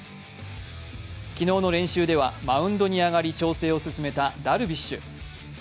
昨日の練習ではマウンドに上がり調整を進めたダルビッシュ。